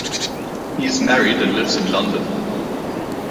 He is married and lives in London.